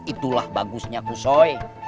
itulah bagusnya kusoi